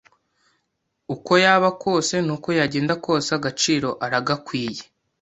Uko yaba kose n’uko yagenda kose agaciro aragakwiye